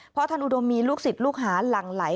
เพราะท่านอุดมมีลูกศิษย์ลูกหาหลั่งไหล